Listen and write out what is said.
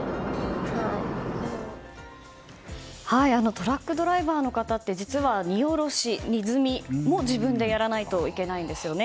トラックドライバーの方って実は荷下ろし、荷積みも自分でやらないといけないんですよね。